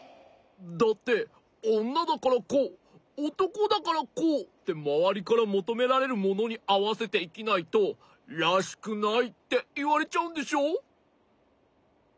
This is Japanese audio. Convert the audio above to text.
だっておんなだからこうおとこだからこうってまわりからもとめられるものにあわせていきないと「らしくない！」っていわれちゃうんでしょ？